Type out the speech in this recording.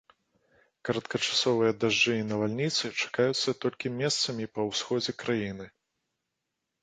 Кароткачасовыя дажджы і навальніцы чакаюцца толькі месцамі па ўсходзе краіны.